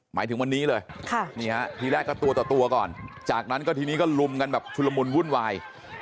หมายถึงวันนี้เลยทีแรกก็ตัวต่อตัวก่อนจากนั้นก็ทีนี้ก็ลุมกันแบบชุลมุนวุ่นวาย